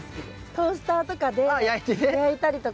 トースターとかで焼いたりとか。